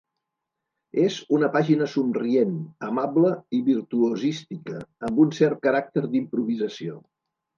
És una pàgina somrient, amable i virtuosística, amb un cert caràcter d'improvisació.